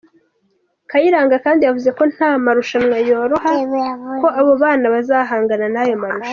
Kayiranga kandi yavuze ko nta marushanwa yoroha, ko abo bana bazahangana n’ayo marushanwa.